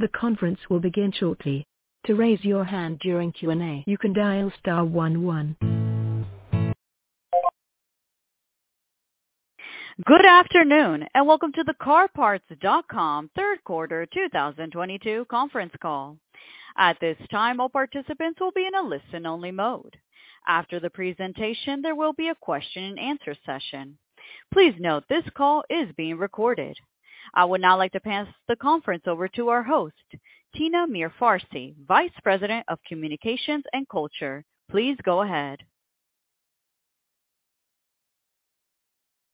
Good afternoon, and welcome to the CarParts.com third quarter 2022 conference call. At this time, all participants will be in a listen-only mode. After the presentation, there will be a question and answer session. Please note this call is being recorded. I would now like to pass the conference over to our host, Tina Mirfarsi, Vice President of Communications and Culture. Please go ahead.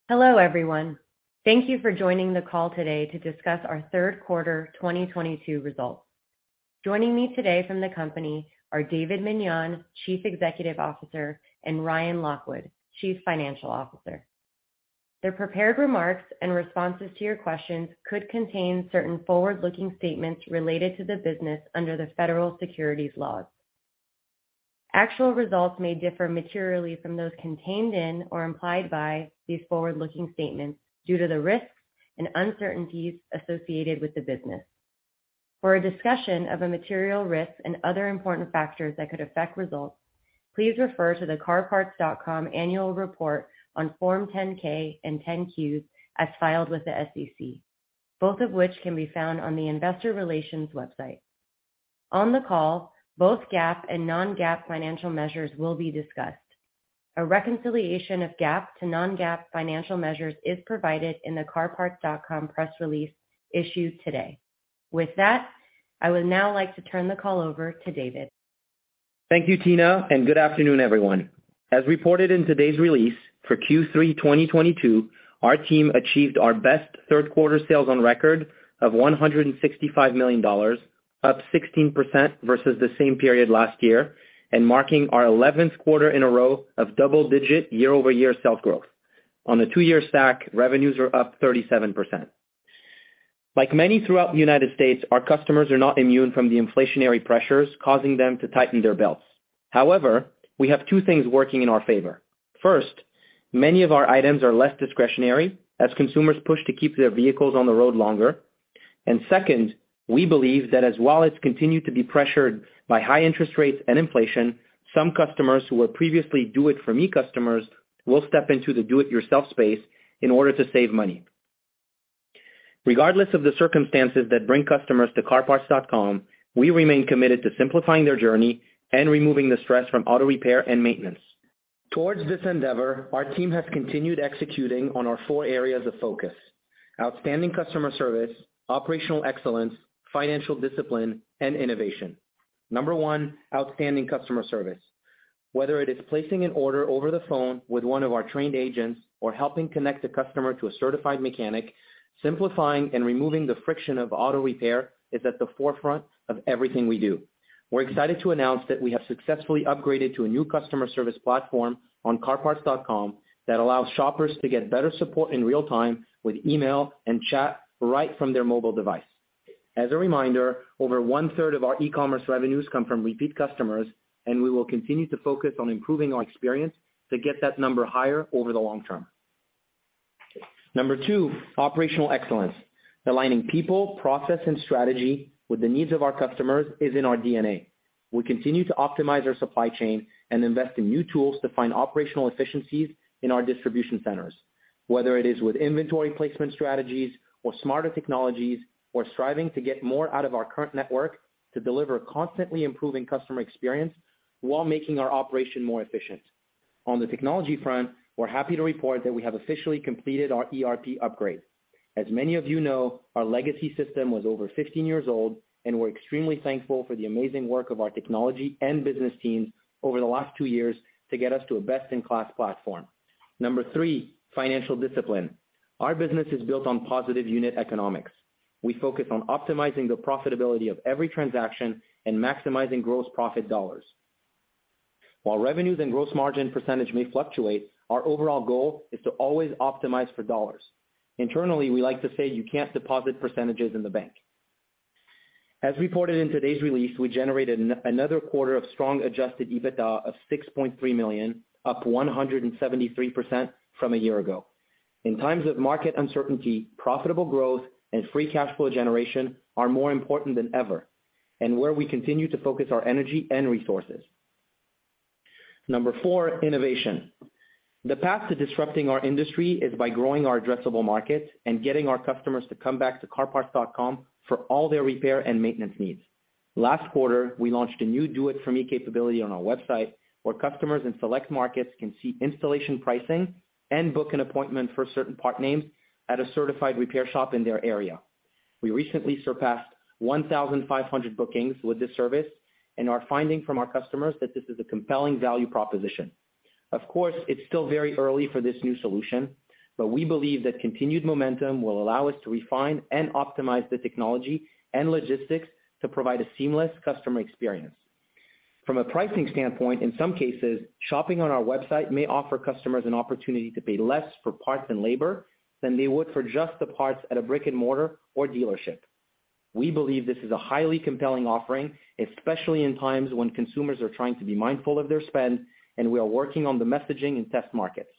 Hello, everyone. Thank you for joining the call today to discuss our third quarter 2022 results. Joining me today from the company are David Meniane, Chief Executive Officer, and Ryan Lockwood, Chief Financial Officer. Their prepared remarks and responses to your questions could contain certain forward-looking statements related to the business under the federal securities laws. Actual results may differ materially from those contained in or implied by these forward-looking statements due to the risks and uncertainties associated with the business. For a discussion of a material risk and other important factors that could affect results, please refer to the CarParts.com annual report on Form 10-K and 10-Q as filed with the SEC, both of which can be found on the investor relations website. On the call, both GAAP and non-GAAP financial measures will be discussed. A reconciliation of GAAP to non-GAAP financial measures is provided in the CarParts.com press release issued today. With that, I would now like to turn the call over to David. Thank you, Tina, and good afternoon, everyone. As reported in today's release, for Q3 2022, our team achieved our best third quarter sales on record of $165 million, up 16% versus the same period last year, and marking our 11th quarter in a row of double-digit year-over-year sales growth. On the two-year stack, revenues are up 37%. Like many throughout the United States, our customers are not immune from the inflationary pressures causing them to tighten their belts. However, we have two things working in our favor. First, many of our items are less discretionary as consumers push to keep their vehicles on the road longer. Second, we believe that as wallets continue to be pressured by high interest rates and inflation, some customers who were previously Do-It-For-Me customers will step into the do-it-yourself space in order to save money. Regardless of the circumstances that bring customers to CarParts.com, we remain committed to simplifying their journey and removing the stress from auto repair and maintenance. Towards this endeavor, our team has continued executing on our four areas of focus, outstanding customer service, operational excellence, financial discipline, and innovation. Number one, outstanding customer service. Whether it is placing an order over the phone with one of our trained agents or helping connect the customer to a certified mechanic, simplifying and removing the friction of auto repair is at the forefront of everything we do. We're excited to announce that we have successfully upgraded to a new customer service platform on CarParts.com that allows shoppers to get better support in real time with email and chat right from their mobile device. As a reminder, over 1/3 of our e-commerce revenues come from repeat customers, and we will continue to focus on improving our experience to get that number higher over the long term. Number two, operational excellence. Aligning people, process, and strategy with the needs of our customers is in our DNA. We continue to optimize our supply chain and invest in new tools to find operational efficiencies in our distribution centers, whether it is with inventory placement strategies or smarter technologies or striving to get more out of our current network to deliver constantly improving customer experience while making our operation more efficient. On the technology front, we're happy to report that we have officially completed our ERP upgrade. As many of you know, our legacy system was over 15 years old, and we're extremely thankful for the amazing work of our technology and business teams over the last two years to get us to a best-in-class platform. Number three, financial discipline. Our business is built on positive unit economics. We focus on optimizing the profitability of every transaction and maximizing gross profit dollars. While revenues and gross margin percentage may fluctuate, our overall goal is to always optimize for dollars. Internally, we like to say you can't deposit percentages in the bank. As reported in today's release, we generated another quarter of strong Adjusted EBITDA of $6.3 million, up 173% from a year ago. In times of market uncertainty, profitable growth and free cash flow generation are more important than ever, and where we continue to focus our energy and resources. Number four, innovation. The path to disrupting our industry is by growing our addressable market and getting our customers to come back to CarParts.com for all their repair and maintenance needs. Last quarter, we launched a new Do-It-For-Me capability on our website, where customers in select markets can see installation pricing and book an appointment for certain part names at a certified repair shop in their area. We recently surpassed 1,500 bookings with this service and are finding from our customers that this is a compelling value proposition. Of course, it's still very early for this new solution, but we believe that continued momentum will allow us to refine and optimize the technology and logistics to provide a seamless customer experience. From a pricing standpoint, in some cases, shopping on our website may offer customers an opportunity to pay less for parts and labor than they would for just the parts at a brick-and-mortar or dealership. We believe this is a highly compelling offering, especially in times when consumers are trying to be mindful of their spend, and we are working on the messaging in test markets.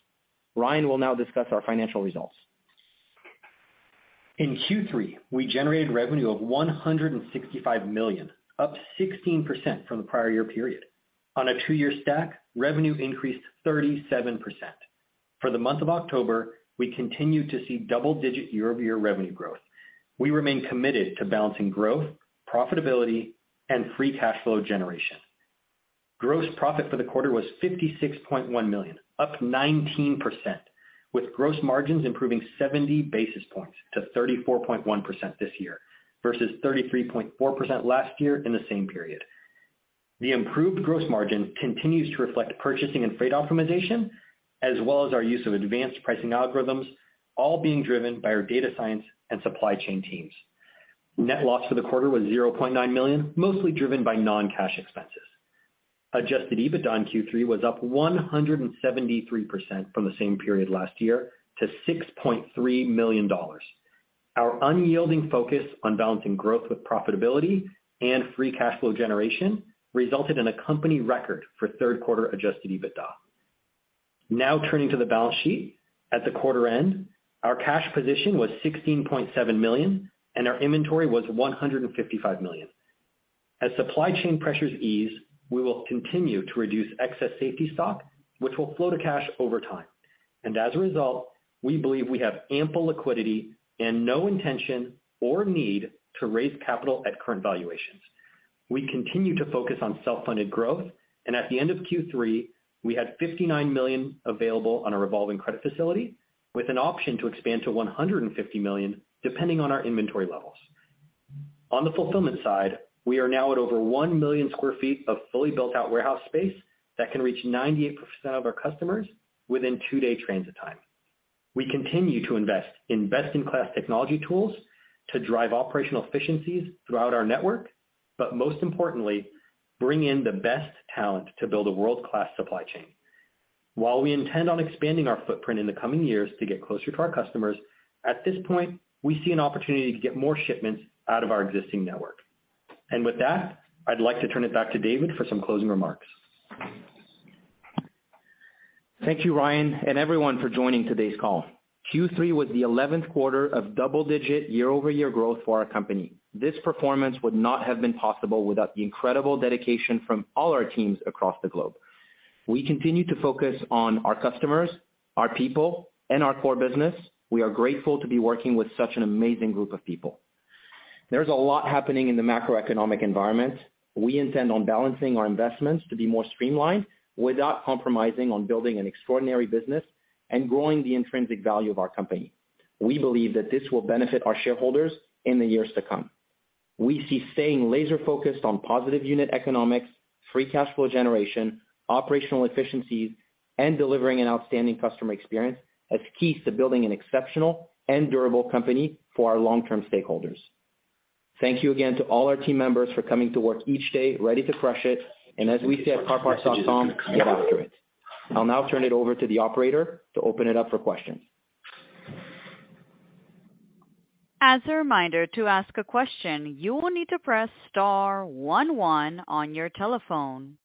Ryan will now discuss our financial results. In Q3, we generated revenue of $165 million, up 16% from the prior year period. On a two year stack, revenue increased 37%. For the month of October, we continued to see double-digit year-over-year revenue growth. We remain committed to balancing growth, profitability, and free cash flow generation. Gross profit for the quarter was $56.1 million, up 19%, with gross margins improving 70 basis points to 34.1% this year versus 33.4% last year in the same period. The improved gross margin continues to reflect purchasing and freight optimization, as well as our use of advanced pricing algorithms, all being driven by our data science and supply chain teams. Net loss for the quarter was $0.9 million, mostly driven by non-cash expenses. Adjusted EBITDA in Q3 was up 173% from the same period last year to $6.3 million. Our unyielding focus on balancing growth with profitability and free cash flow generation resulted in a company record for third quarter adjusted EBITDA. Now turning to the balance sheet. At the quarter end, our cash position was $16.7 million, and our inventory was $155 million. As supply chain pressures ease, we will continue to reduce excess safety stock, which will flow to cash over time. As a result, we believe we have ample liquidity and no intention or need to raise capital at current valuations. We continue to focus on self-funded growth, and at the end of Q3, we had $59 million available on our revolving credit facility, with an option to expand to $150 million, depending on our inventory levels. On the fulfillment side, we are now at over 1 million sq ft of fully built-out warehouse space that can reach 98% of our customers within two day transit time. We continue to invest in best-in-class technology tools to drive operational efficiencies throughout our network, but most importantly, bring in the best talent to build a world-class supply chain. While we intend on expanding our footprint in the coming years to get closer to our customers, at this point, we see an opportunity to get more shipments out of our existing network. With that, I'd like to turn it back to David for some closing remarks. Thank you, Ryan and everyone for joining today's call. Q3 was the eleventh quarter of double-digit year-over-year growth for our company. This performance would not have been possible without the incredible dedication from all our teams across the globe. We continue to focus on our customers, our people, and our core business. We are grateful to be working with such an amazing group of people. There's a lot happening in the macroeconomic environment. We intend on balancing our investments to be more streamlined without compromising on building an extraordinary business and growing the intrinsic value of our company. We believe that this will benefit our shareholders in the years to come. We see staying laser-focused on positive unit economics, free cash flow generation, operational efficiencies, and delivering an outstanding customer experience as keys to building an exceptional and durable company for our long-term stakeholders. Thank you again to all our team members for coming to work each day, ready to crush it, and as we say at CarParts.com, get after it. I'll now turn it over to the operator to open it up for questions. As a reminder, to ask a question, you will need to press star one one on your telephone.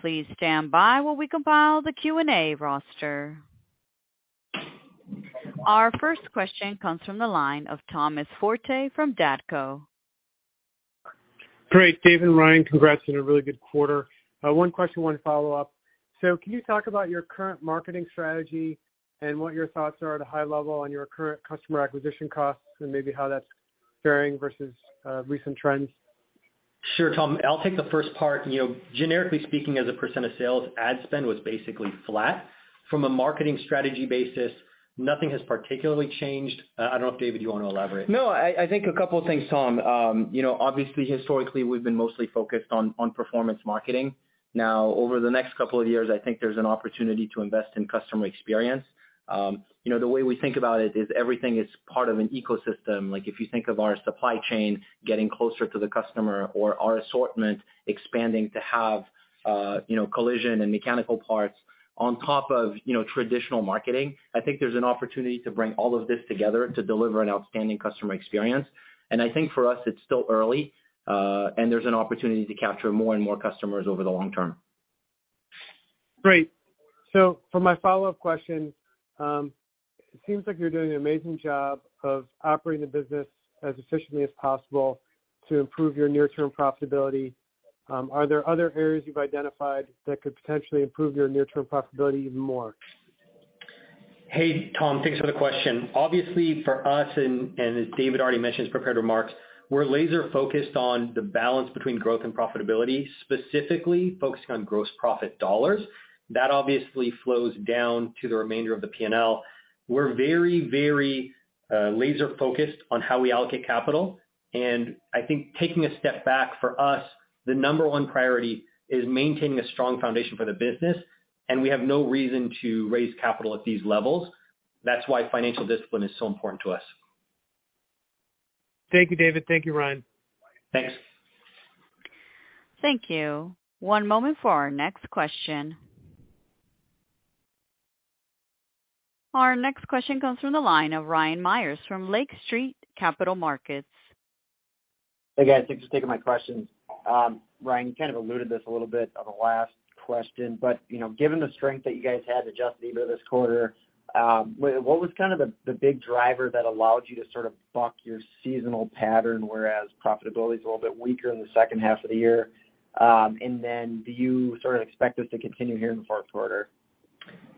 Please stand by while we compile the Q&A roster. Our first question comes from the line of Thomas Forte from D.A. Davidson. Great. Dave and Ryan, congrats on a really good quarter. One question, one follow-up. Can you talk about your current marketing strategy and what your thoughts are at a high level on your current customer acquisition costs and maybe how that's varying versus recent trends? Sure, Thomas Forte. I'll take the first part. You know, generically speaking, as a % of sales, ad spend was basically flat. From a marketing strategy basis, nothing has particularly changed. I don't know if, David you wanna elaborate. No, I think a couple of things, Tom. You know, obviously, historically, we've been mostly focused on performance marketing. Now, over the next couple of years, I think there's an opportunity to invest in customer experience. You know, the way we think about it is everything is part of an ecosystem. Like, if you think of our supply chain getting closer to the customer or our assortment expanding to have, you know, collision and mechanical parts on top of, you know, traditional marketing. I think there's an opportunity to bring all of this together to deliver an outstanding customer experience. I think for us, it's still early, and there's an opportunity to capture more and more customers over the long term. Great. For my follow-up question, it seems like you're doing an amazing job of operating the business as efficiently as possible to improve your near-term profitability. Are there other areas you've identified that could potentially improve your near-term profitability even more? Hey, Tom, thanks for the question. Obviously, for us and as David already mentioned his prepared remarks, we're laser-focused on the balance between growth and profitability, specifically focusing on gross profit dollars. That obviously flows down to the remainder of the P&L. We're very laser-focused on how we allocate capital. I think taking a step back for us, the number one priority is maintaining a strong foundation for the business, and we have no reason to raise capital at these levels. That's why financial discipline is so important to us. Thank you, David. Thank you, Ryan. Thanks. Thank you. One moment for our next question. Our next question comes from the line of Ryan Meyers from Lake Street Capital Markets. Hey, guys. Thanks for taking my questions. Ryan, you kind of alluded this a little bit on the last question, but, you know, given the strength that you guys had Adjusted EBITDA this quarter, what was kind of the big driver that allowed you to sort of buck your seasonal pattern, whereas profitability is a little bit weaker in the second half of the year? Do you sort of expect this to continue here in the fourth quarter?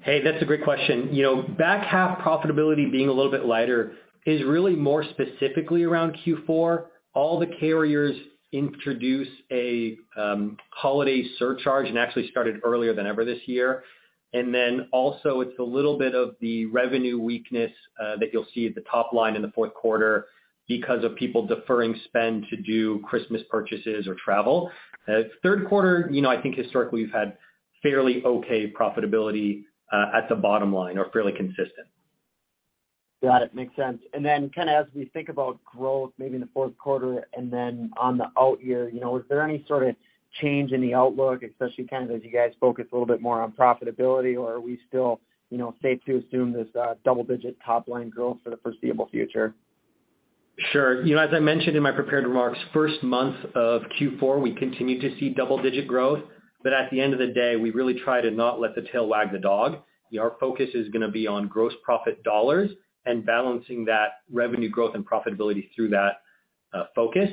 Hey, that's a great question. You know, back half profitability being a little bit lighter is really more specifically around Q4. All the carriers introduce a holiday surcharge and actually started earlier than ever this year. Also it's a little bit of the revenue weakness that you'll see at the top line in the fourth quarter because of people deferring spend to do Christmas purchases or travel. Third quarter, you know, I think historically we've had fairly okay profitability at the bottom line or fairly consistent. Got it. Makes sense. Kinda as we think about growth, maybe in the fourth quarter and then on the out year, you know, is there any sort of change in the outlook, especially kind of as you guys focus a little bit more on profitability, or are we still, you know, safe to assume this double digit top line growth for the foreseeable future? Sure. You know, as I mentioned in my prepared remarks, first month of Q4, we continue to see double-digit growth, but at the end of the day, we really try to not let the tail wag the dog. Our focus is gonna be on gross profit dollars and balancing that revenue growth and profitability through that focus.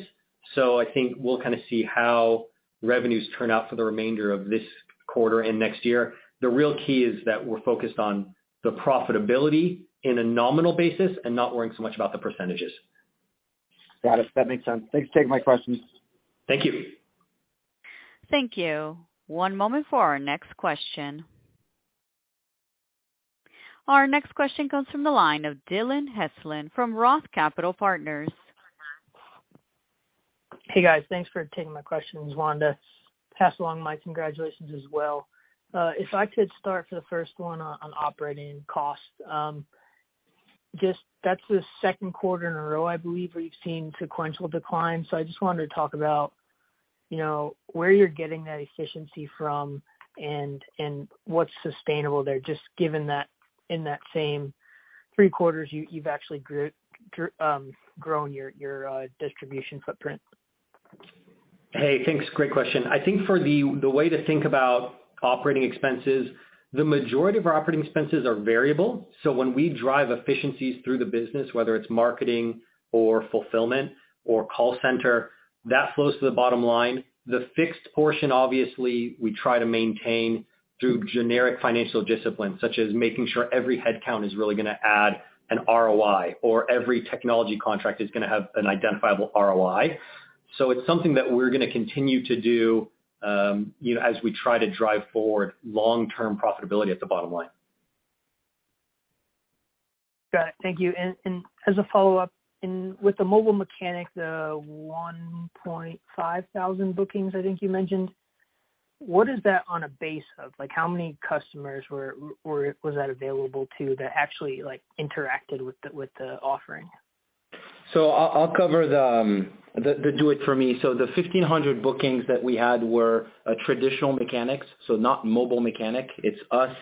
I think we'll kinda see how revenues turn out for the remainder of this quarter and next year. The real key is that we're focused on the profitability in a nominal basis and not worrying so much about the percentages. Got it. That makes sense. Thanks for taking my questions. Thank you. Thank you. One moment for our next question. Our next question comes from the line of Darren Aftahi from ROTH Capital Partners. Hey, guys. Thanks for taking my questions. Wanted to pass along my congratulations as well. If I could start for the first one on operating costs. Just that's the second quarter in a row, I believe where you've seen sequential declines. I just wanted to talk about, you know, where you're getting that efficiency from and what's sustainable there. Just given that in that same three quarters you've actually grown your distribution footprint. Hey, thanks. Great question. I think for the way to think about operating expenses, the majority of our operating expenses are variable, so when we drive efficiencies through the business, whether it's marketing or fulfillment or call center, that flows to the bottom line. The fixed portion, obviously, we try to maintain through general financial discipline, such as making sure every headcount is really gonna add an ROI or every technology contract is gonna have an identifiable ROI. It's something that we're gonna continue to do, you know, as we try to drive forward long-term profitability at the bottom line. Got it. Thank you. As a follow-up and with the Mobile Mechanic, the 1,500 bookings, I think you mentioned, what is that on a basis of? Like, how many customers was that available to that actually, like, interacted with the offering? I'll cover the Do-It-For-Me. The 1,500 bookings that we had were with traditional mechanics, so not Mobile Mechanic. It's us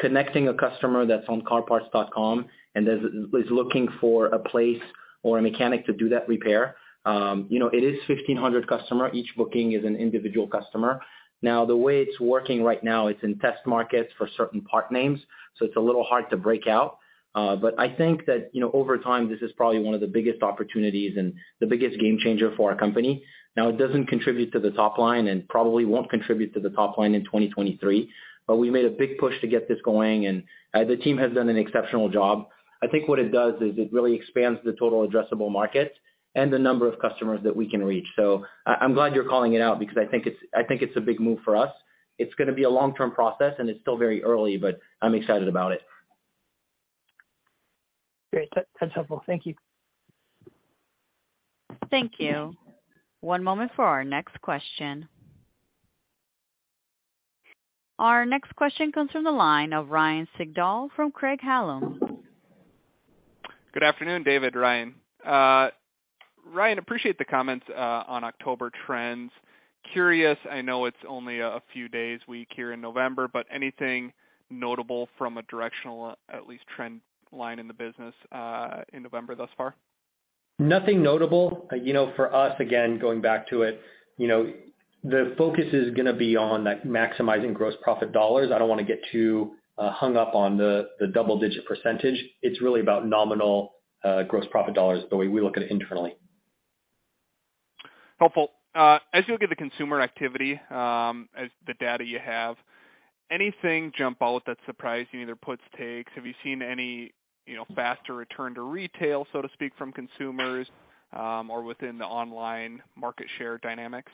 connecting a customer that's on CarParts.com and is looking for a place or a mechanic to do that repair. You know, it is 1,500 customers. Each booking is an individual customer. Now, the way it's working right now, it's in test markets for certain part names, so it's a little hard to break out. But I think that, you know, over time, this is probably one of the biggest opportunities and the biggest game changer for our company. Now, it doesn't contribute to the top line and probably won't contribute to the top line in 2023, but we made a big push to get this going, and the team has done an exceptional job. I think what it does is it really expands the total addressable market and the number of customers that we can reach. I'm glad you're calling it out because I think it's a big move for us. It's gonna be a long-term process, and it's still very early, but I'm excited about it. Great. That's helpful. Thank you. Thank you. One moment for our next question. Our next question comes from the line of Ryan Sigdahl from Craig-Hallum. Good afternoon, David, Ryan. Ryan Lockwood, appreciate the comments on October trends. Curious, I know it's only a few days this week here in November, but anything notable from a directional, at least trend line in the business in November thus far? Nothing notable. You know, for us, again, going back to it, you know, the focus is gonna be on maximizing gross profit dollars. I don't wanna get too hung up on the double-digit percentage. It's really about nominal gross profit dollars, the way we look at it internally. Helpful. As you look at the consumer activity, from the data you have, anything jump out that surprised you in either puts and takes? Have you seen any, you know, faster return to retail, so to speak, from consumers, or within the online market share dynamics?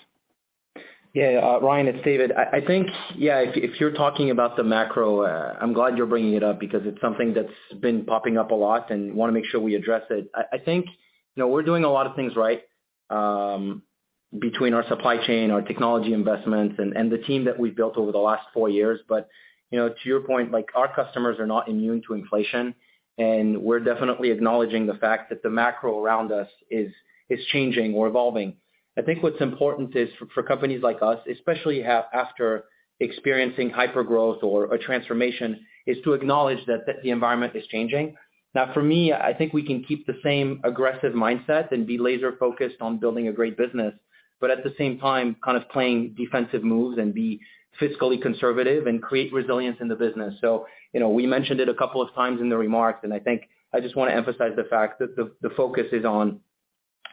Yeah, Ryan, it's David. I think, yeah, if you're talking about the macro, I'm glad you're bringing it up because it's something that's been popping up a lot and wanna make sure we address it. I think, you know, we're doing a lot of things right, between our supply chain, our technology investments and the team that we've built over the last four years. You know, to your point, like, our customers are not immune to inflation, and we're definitely acknowledging the fact that the macro around us is changing or evolving. I think what's important is for companies like us, especially after experiencing hyper-growth or a transformation, is to acknowledge that the environment is changing. Now, for me, I think we can keep the same aggressive mindset and be laser focused on building a great business, but at the same time, kind of playing defensive moves and be fiscally conservative and create resilience in the business. You know, we mentioned it a couple of times in the remarks, and I think I just wanna emphasize the fact that the focus is on,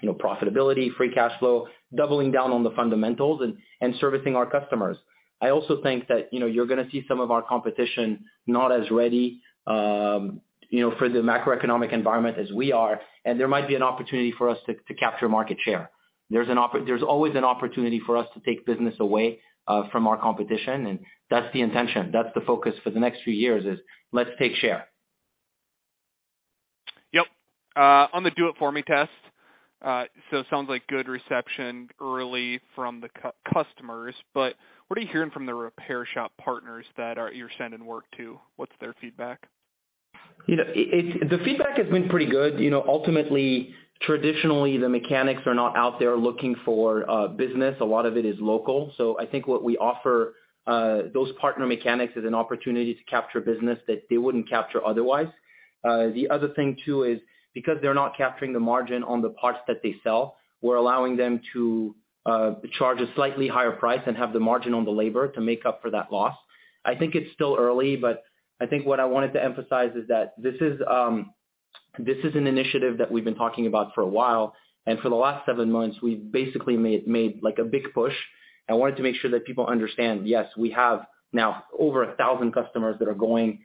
you know, profitability, free cash flow, doubling down on the fundamentals and servicing our customers. I also think that, you know, you're gonna see some of our competition not as ready, you know, for the macroeconomic environment as we are, and there might be an opportunity for us to capture market share. There's always an opportunity for us to take business away from our competition, and that's the intention. That's the focus for the next few years is let's take share. Yep. On the Do-It-For-Me test, it sounds like good reception early from the customers. What are you hearing from the repair shop partners that you're sending work to? What's their feedback? You know, the feedback has been pretty good. You know, ultimately, traditionally, the mechanics are not out there looking for business. A lot of it is local. So I think what we offer those partner mechanics is an opportunity to capture business that they wouldn't capture otherwise. The other thing too is because they're not capturing the margin on the parts that they sell, we're allowing them to charge a slightly higher price and have the margin on the labor to make up for that loss. I think it's still early, but I think what I wanted to emphasize is that this is an initiative that we've been talking about for a while. For the last seven months, we've basically made like a big push. I wanted to make sure that people understand, yes, we have now over 1,000 customers that are going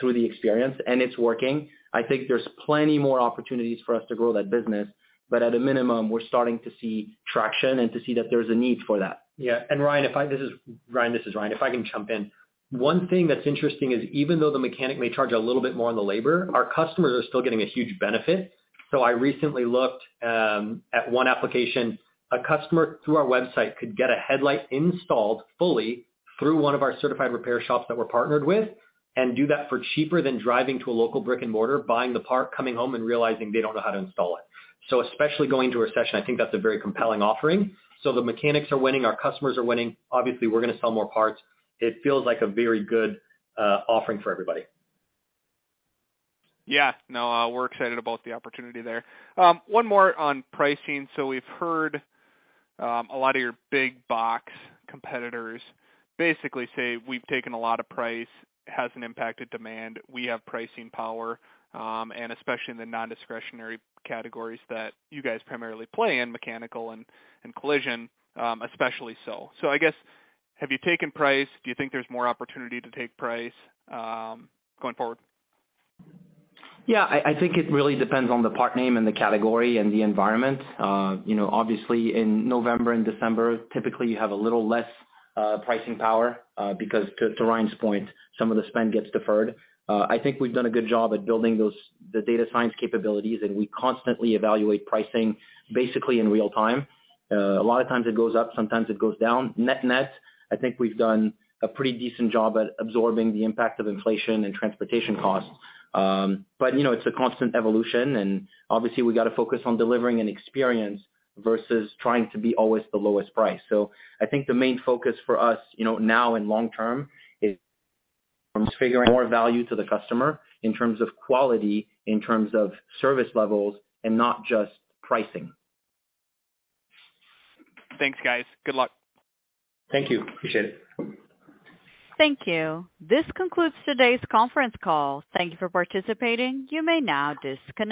through the experience, and it's working. I think there's plenty more opportunities for us to grow that business. At a minimum, we're starting to see traction and to see that there's a need for that. Ryan, this is Ryan. If I can jump in. One thing that's interesting is even though the mechanic may charge a little bit more on the labor, our customers are still getting a huge benefit. I recently looked at one application. A customer through our website could get a headlight installed fully through one of our certified repair shops that we're partnered with and do that for cheaper than driving to a local brick and mortar, buying the part, coming home and realizing they don't know how to install it. Especially going to a service, I think that's a very compelling offering. The mechanics are winning, our customers are winning. Obviously, we're gonna sell more parts. It feels like a very good offering for everybody. Yeah. No, we're excited about the opportunity there. One more on pricing. We've heard a lot of your big box competitors basically say, "We've taken a lot of price, hasn't impacted demand. We have pricing power," and especially in the non-discretionary categories that you guys primarily play in, mechanical and collision, especially so. I guess, have you taken price? Do you think there's more opportunity to take price, going forward? Yeah. I think it really depends on the part name and the category and the environment. You know, obviously in November and December, typically you have a little less pricing power because to Ryan's point, some of the spend gets deferred. I think we've done a good job at building those data science capabilities, and we constantly evaluate pricing basically in real time. A lot of times it goes up, sometimes it goes down. Net-net, I think we've done a pretty decent job at absorbing the impact of inflation and transportation costs. You know, it's a constant evolution, and obviously, we gotta focus on delivering an experience versus trying to be always the lowest price. I think the main focus for us, you know, now and long term is figuring more value to the customer in terms of quality, in terms of service levels, and not just pricing. Thanks, guys. Good luck. Thank you. Appreciate it. Thank you. This concludes today's conference call. Thank you for participating. You may now disconnect.